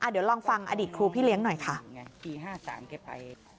เดี๋ยวลองฟังอดีตครูพี่เลี้ยงหน่อยค่ะ